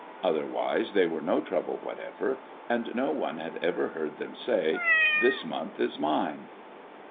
Otherwise they were no trouble whatever, and no one had ever heard them say, "This month is mine."